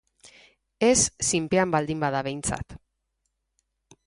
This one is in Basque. Ez, zinpean baldin bada behintzat!